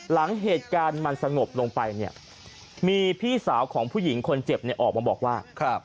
หลังเหตุการณ์มันสงบลงไปเนี่ยมีพี่สาวของผู้หญิงคนเจ็บเนี่ยออกมาบอกว่า